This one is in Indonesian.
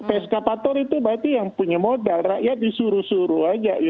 eskavator itu berarti yang punya modal rakyat disuruh suruh aja